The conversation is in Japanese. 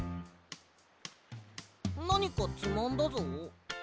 なにかつまんだぞ。